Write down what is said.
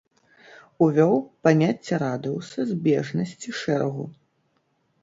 Увёў паняцце радыуса збежнасці шэрагу.